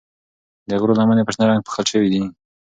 د غرو لمنې په شنه رنګ پوښل شوې دي.